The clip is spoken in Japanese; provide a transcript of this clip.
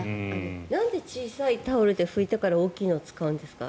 なんで小さいタオルで拭いてから大きいのを使うんですか？